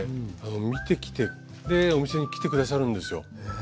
見てきてでお店に来て下さるんですよ。